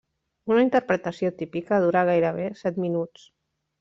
Una interpretació típica dura gairebé set minuts.